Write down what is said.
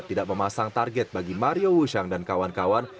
tidak memasang target bagi mario wushang dan kawan kawan